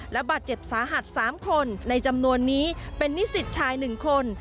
และบาดเจ็บสาหัส๓คนในจำนวนนี้เป็นนิสิตชาย๑คน